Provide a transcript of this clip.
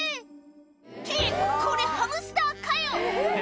ってこれハムスターかよ！